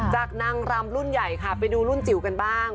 นางรำรุ่นใหญ่ค่ะไปดูรุ่นจิ๋วกันบ้าง